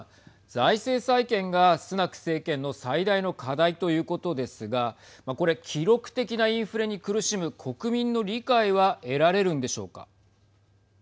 財政再建がスナク政権の最大の課題ということですがこれ記録的なインフレに苦しむ国民の理解は得られるんでしょうか。